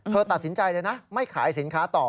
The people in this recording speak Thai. ตัดสินใจเลยนะไม่ขายสินค้าต่อ